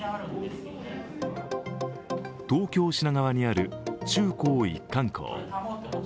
東京・品川にある中高一貫校。